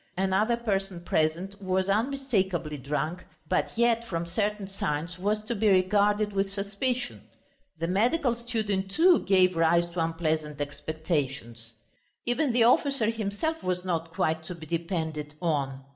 Another person present was unmistakably drunk, but yet, from certain signs, was to be regarded with suspicion. The medical student, too, gave rise to unpleasant expectations. Even the officer himself was not quite to be depended on.